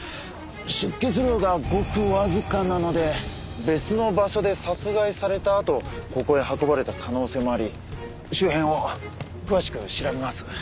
出血量がごくわずかなので別の場所で殺害されたあとここへ運ばれた可能性もあり周辺を詳しく調べます。